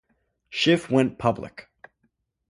Schiff went public.